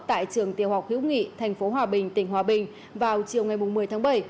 tại trường tiêu học hiếu nghị tp hòa bình tỉnh hòa bình vào chiều ngày một mươi tháng bảy